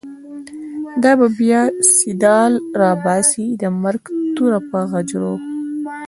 دابه بیا “سیدال” راباسی، دمرګ توره په غجرو